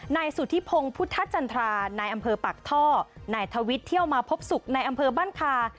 นายสุธิพงศ์พุทธจันทรานายอำเภอปากท่อนายทวิทย์เที่ยวมาพบศุกร์ในอำเภอบ้านคา